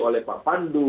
oleh pak pandu